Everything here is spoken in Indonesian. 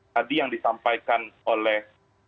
tadi yang disampaikan oleh